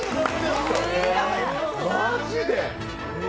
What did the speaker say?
マジで！？